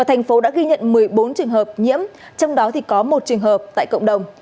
thành phố đã ghi nhận một mươi bốn trường hợp nhiễm trong đó có một trường hợp tại cộng đồng